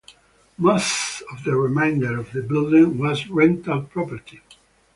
Most of the remainder of the building was rental property.